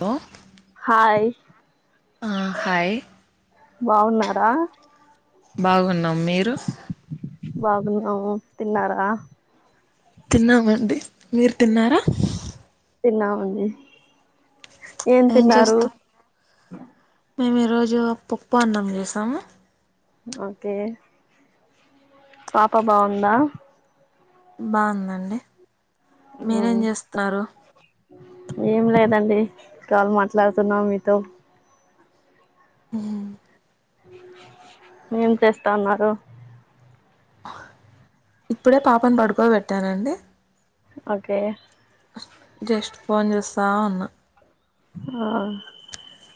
హ హాయ్ హా హాయ్ బాగున్నారా? బాగున్నం మీరు? బాగున్నాము. తిన్నారా? తిన్నామండి మీరు తిన్నారా? తిన్నామండి ఏం తిన్నారు? మ్ ఈరోజు పప్పు, అన్నం చేసాము. ఓకే పాప బాగుందా? బాగుందండి, మీరేం చేస్తారు ఏం లేదండి కాల్ మాట్లాడుతున్నాం మీతో ఉమ్ మేం చేస్త ఉన్నారు ఇప్పుడే పాపను పడుకోబెట్టానండి ఓకే జస్ట్ ఫోన్ చూస్తా ఉన్న ఆ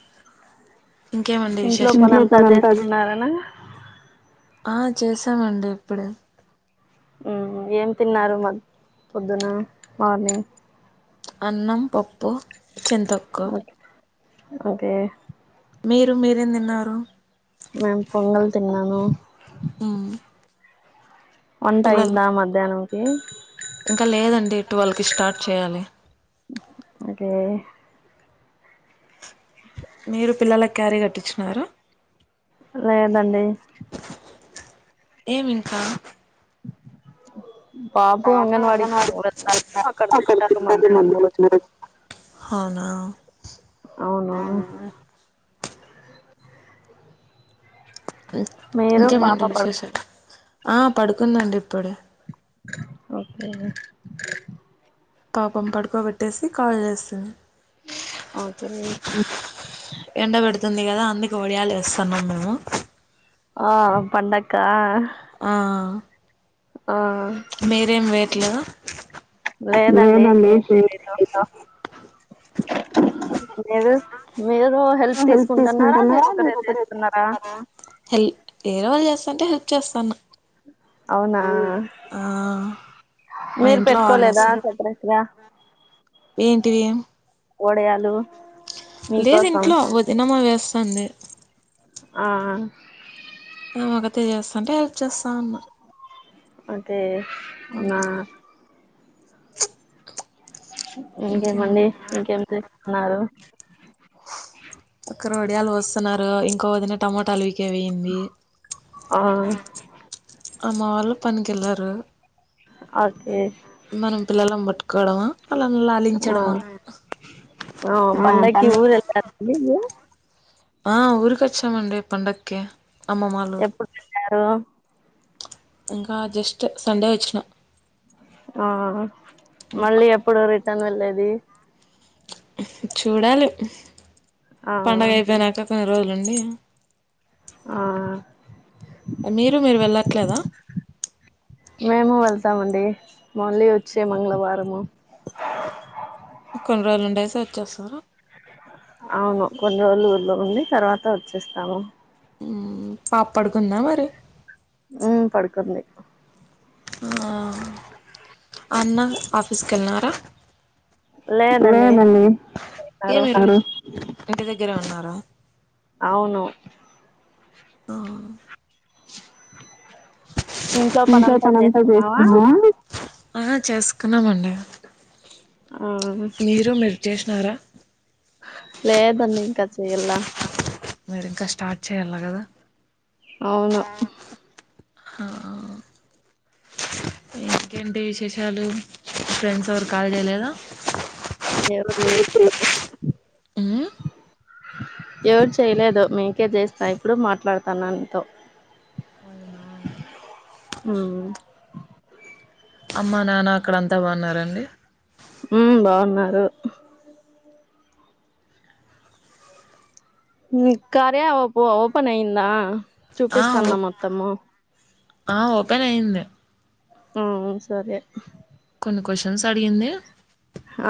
ఇంకేమండి ఇంట్లో విశేష పని అంతా చేస్తున్నారనా ఆ చేసామండి ఇప్పుడే ఉమ్ ఏం తిన్నారు మ పొద్దున మార్నింగ్ అన్నం పప్పు చింతొక్కు ఓకే మీరు మీరేం తిన్నారు మేమ్ పొంగల్ తిన్నాను ఉమ్ వంట అయిందా మధ్యాహ్నంకి ఇంకా లేదండి టువల్వ్ కి స్టార్ట్ చేయాలి ఎ మీరు పిల్లల క్ క్యారీ కట్టించినార లేదండి ఏమి ఇంకా బాబు పాప అంగన్వాడికి అంగన్వాడీ వెళ్తారు అక్కడ తింటారు మధ్యాహ్నం భోజనం [inaudible] అవునా అవును మీరు పాప ఇంకేమండి పడు విశేషా ఆ పడుకుందండి ఇప్పుడే. ఒకే పాపం పడుకోబెట్టేసి కాల్ చేస్తు ఒకే తుంది కదా అందుకె ఒడియాలు ఎస్తన్నాం మేము ఆ పండక్ ఆ ఆ మీరేం వేయట్లేదా లేదండి మిమండి ఏ ఏం చేయట్లేద లేదు మీరు హెల్ప్ తీసుకుంటున్నారా మీరు ఒకరే చేస్తున్నారా హెల్ వేరేవాళ్లు చేస్తాంటే హెల్ప్ చేస్తానా అవునా హా మీరు పెట్టుకోలేదా సపరేట్‌గా ఏంటివీ ఓడియాలు లేదు ఇంట్లో వదినమ్మా వేస్థాంది అ ఆ ఆమె ఒక్కతే చేస్తాంటే హెల్ప్ చేస్తాన్న అంతే అవ్నా [unintelligible] ఇంకేమి ఇంకేమండి, ఇంకేం చేస్తున్నారు ఒకరు వడియాలు వోస్తున్నారు, ఇంకో వదిన టమోటాలు ఆ అమ్మ వాళ్లు పనికెళ్లారు హా, ఓకే ఉ మనం పిల్లలను పట్టుకోవడమా వాళ్ళని ఆ లాలించడమా ఆ పండక్కి ఊరేల్తారండి మీరు ఆ ఊరుకొచ్చమండి పండక్కి అమ్మమ్మవాల్లూరు ఆ ఇంకా జస్ట్ సండే వచ్చిన ఆ మళ్లి ఎప్పుడు రిటన్ వెళ్ళేది చూడాలి ఆ పండగైపోయినక కొ రోజులుండి ఆ మీరు మీరు వెళ్ళట్లేదా తామండి మళ్లీ వచ్చే మంగళవారము కొన్రోజులు ఉండేసి వచ్చేస్తారా అవును కొన్ని రోజులు ఊర్లో ఉండి తర్వాత వచ్చేస్తాము ఉమ్ పాప్పడుకుందా మరి ఊ పడుకుంది ఆ అన్న ఆఫీస్కిళ్నారా లేదండి తిన్నారు ప్పుడు అవును ఆ ఇంట్లో పనంతా చేసుకున్నావా ఆ చేసుకున్నామండి ఆ మీరు మీరు చేసినారా లేదన్నింక చేయల్ల ఇంకా స్టార్ట్ చెయల్ల కదా అవును హా ఇంకేంటి విశేషాలు ఫ్రెండ్స్ ఎవరు కాల్ చేేయలేదా [inaudible] మ్మ్ ఎవరు చేయలేదో మీకే చేస్తనా ఇప్పుడే మాట్లాడుతన నీతో అవునా ఆ అమ్మా నాన్న అక్కడ అంతా బాగున్నారా అండి ఊమ్ బాగున్నారు మీక్ కార్య ఓప్ ఓపెన్ అయిందా ఆ ఓ చూపిస్తాందా మొత్తము ఆ ఓపెన్ అయింది ఆ సరే కొన్ని క్వశ్చన్స్ అడిగింది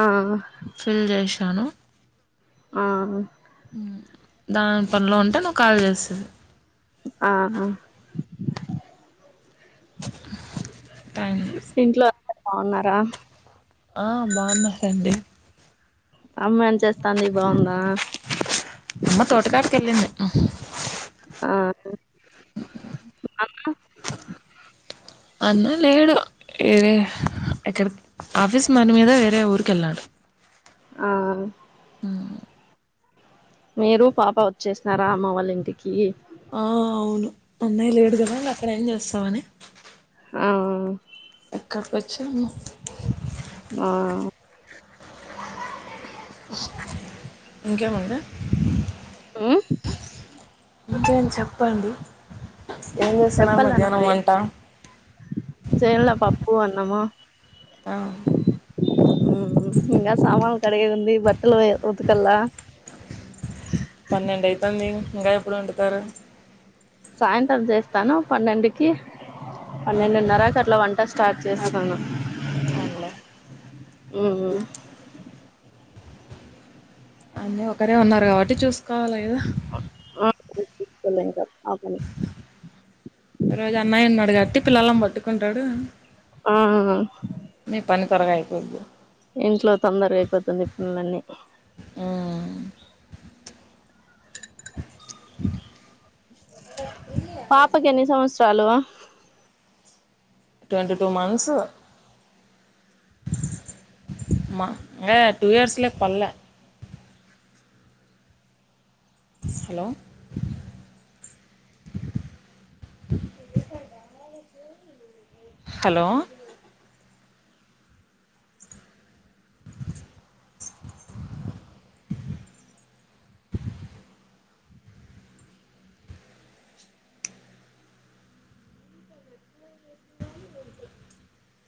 ఆ ఫిల్ చేశినాను ఆ ఉమ్ దాన్ పనులో ఉంటే నువ్వు కాల్ చేస్తివి ఆహ టైమ్స్ ఇంట్లో బాగున్నారా ఆ బాగున్నారండి అమ్మా ఏంచేస్తాంది బాగుందా అమ్మ తోటకాడికెళ్ళింది ఉహ్ అ అన్న లేడు ఇది ఆఫీస్ మని మీద వేరే ఊరికెళ్ళాడు ఆ ఉమ్ మీరు పాప వచ్చేసినరా అమ్మ వాళ్ళ ఇంటికీ ఆ అవును అన్నయ్య లేడు కదా ఇంగ అక్కడ ఏం చేస్తామని. ఆ ఇక్కడికి వచ్చాము మా ఇంకేంమండి ఉమ్ ఇంక్ ఎం చెప్పండి ఏం చేస్తున్నారు చెప్పాల మధ్యాహ్నం నువ్వే వంట చేన్ల పాప్ ప్పు అన్నము ఆ ఉమ్ ఉమ్ ఇంగా సామాన్లు కడిగేదివుంది బట్టలు ఉతుకలా పన్నెండు అయితాంది ఇంగా ఎప్పుడు వండుతారు సాయంత్రం చేస్తాను పన్నెండుకి పన్నెండున్నరకు అట్లా వం ఇక స్టార్ట్ చేస్తాను అవునులే ఉమ్ హ్మ్ అన్ని ఒక్కరే ఉన్నారు కాబట్టి చూసుకోవాలి కద హా చూసుకోలేంకా ఈరోజు అన్నయ్య ఉన్నాడు కాబ్బట్టి పిల్లలను పట్టుకుంటాడు. ఆ మీ పని త్వరగా అయిపోది ఇంట్లో తొందరగా అయిపోతుంది పనులన్నీ డ్ర్ పాపకి ఎన్ని సంవత్సరాలు ట్వంటి టూ మంత్స్ మా ఇంగా టూ ఇయర్స్లోకి పడాలే హలో హలో [inaudible] [inaudible]